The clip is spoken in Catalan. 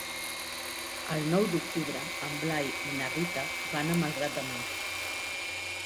El nou d'octubre en Blai i na Rita van a Malgrat de Mar.